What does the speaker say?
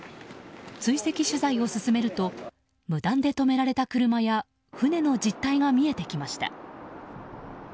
追跡取材を進めると無断で止められた車や船の実態が見えてきました。